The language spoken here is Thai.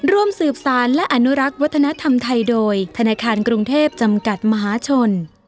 ร่วมสืบสารและอนุรักษ์วัฒนธรรมไทยโดยธนาคารกรุงเทพจำกัดมหาชน